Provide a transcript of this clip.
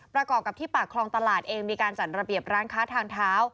ประกอบกับที่ปากคลองตลาดเองมีการจัดระเบียบร้านค้าทางเท้า